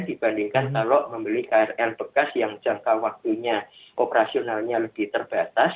dibandingkan kalau membeli krl bekas yang jangka waktunya operasionalnya lebih terbatas